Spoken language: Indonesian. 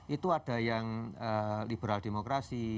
itu ada yang liberal demokrasi